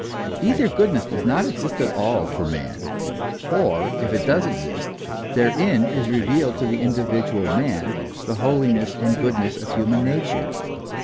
Either goodness does not exist at all for man, or, if it does exist, therein is revealed to the indi vidual man the holiness and goodness of human nature.